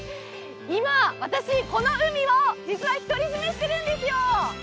今、私、この海を実は独り占めしてるんですよ！